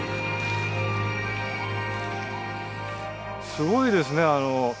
すごいですね。